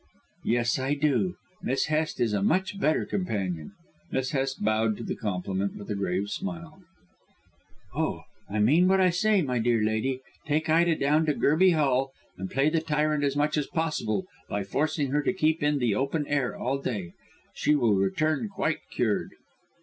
"Yes, I do. Miss Hest is a much better companion." Miss Hest bowed to the compliment with a grave smile. "Oh, I mean what I say, my dear lady. Take Ida down to Gerby Hall and play the tyrant as much as possible by forcing her to keep in the open air all day. She will return quite cured."